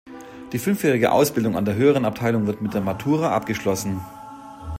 Die fünfjährige Ausbildung an der Höheren Abteilung wird mit der Matura abgeschlossen.